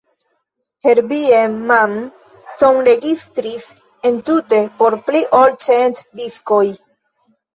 Herbie Mann sonregistris entute por pli ol cent diskoj.